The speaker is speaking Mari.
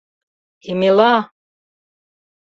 Емела!